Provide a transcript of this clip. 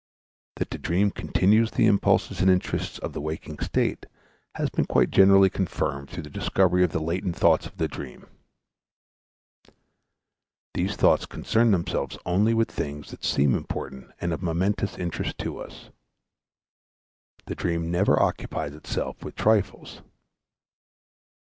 That the dream continues the impulses and interests of the waking state has been quite generally confirmed through the discovery of the latent thoughts of the dream. These thoughts concern themselves only with things that seem important and of momentous interest to us. The dream never occupies itself with trifles.